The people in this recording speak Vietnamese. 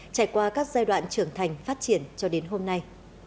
trải qua các giai đoạn trưởng thành phát triển cho đến hôm nay